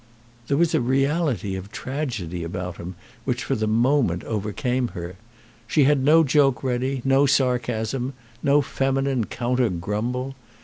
There was a reality of tragedy about him which for the moment overcame her. She had no joke ready, no sarcasm, no feminine counter grumble.